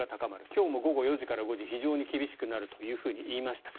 今日も午後４時から５時非常に厳しくなると言いました。